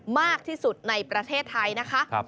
มากที่สุดในประเทศไทยนะคะ